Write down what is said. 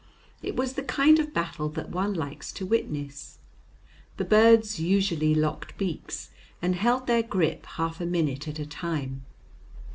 It was the kind of battle that one likes to witness. The birds usually locked beaks, and held their grip half a minute at a time.